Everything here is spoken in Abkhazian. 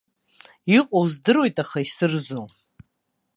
Иҟоу здыруеит, аха исырзом.